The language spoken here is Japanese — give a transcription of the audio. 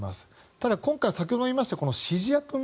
ただ、今回は先ほど言いました指示役も